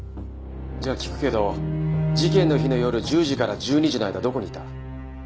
じゃあ聞くけど事件の日の夜１０時から１２時の間どこにいた？